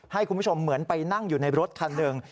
ให้คุณผู้ชมเหมือนไปนั่งอยู่ในรถคันหนึ่ง